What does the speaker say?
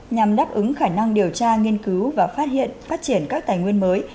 nhằm đáp ứng khả năng điều tra nghiên cứu và phát hiện phát triển các tài nguyên mới